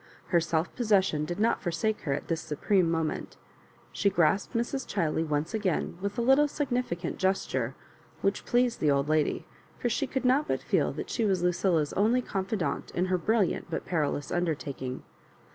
Her self pos session did not forsake her at this supreme mo ment She grasped Mrs. Chiley once again with a little fflgnificant gesture which pleased the old lady, for she could not but feel that she was Lucilla's only confidante in her brilliant but peril ous undertaking.